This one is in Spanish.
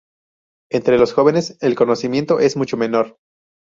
Entre los jóvenes, el conocimiento es mucho menor.